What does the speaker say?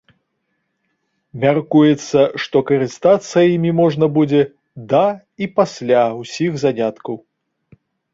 Мяркуецца, што карыстацца імі можна будзе да і пасля ўсіх заняткаў.